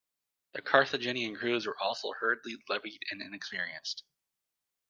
The Carthaginian crews were also hurriedly levied and inexperienced.